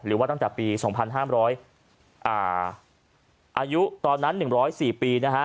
หรือว่าตั้งแต่ปีสองพันห้ามร้อยอ่าอายุตอนนั้นหนึ่งร้อยสี่ปีนะฮะ